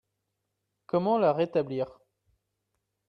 Comment la rétablir?